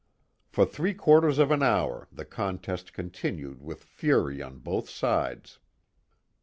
For three quarters of an hour the contest continued with fury on both sides.